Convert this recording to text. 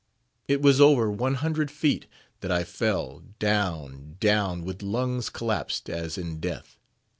It was over one hundred feet that I fell—down, down, with lungs collapsed as in death.